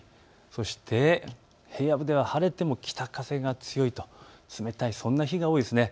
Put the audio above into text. そして平野部では晴れても北風が強い、そんな日が多いです。